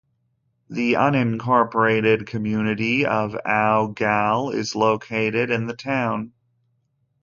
The unincorporated community of Eau Galle is located in the town.